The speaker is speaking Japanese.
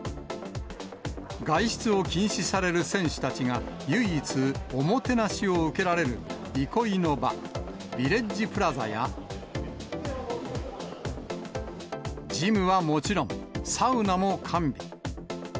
外出を禁止される選手たちが唯一おもてなしを受けられる憩いの場、ヴィレッジプラザやジムはもちろん、サウナも完備。